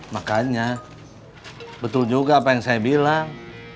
makanya betul juga apa yang saya bilang